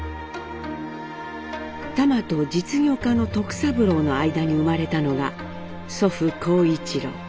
タマと実業家の徳三郎の間に生まれたのが祖父・公一郎。